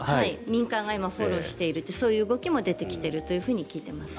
民間が、今フォローしているという動きが出ていると聞いています。